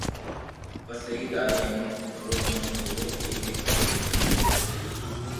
پسي عيد آوي ھين ٿوڙو گھڙو پيھئي دوکيو